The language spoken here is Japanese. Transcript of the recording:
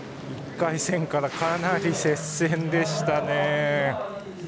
１回戦からかなり接戦でしたね。